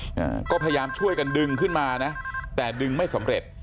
อ่าก็พยายามช่วยกันดึงขึ้นมานะแต่ดึงไม่สำเร็จ